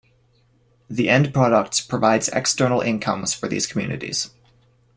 The end products provides external incomes for these communities.